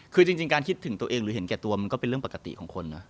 คือจริงการคิดถึงตัวเองหรือเห็นแก่ตัวมันก็เป็นเรื่องปกติของคนนะ